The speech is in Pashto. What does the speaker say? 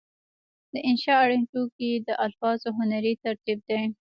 د انشأ اړین توکي د الفاظو هنري ترتیب دی.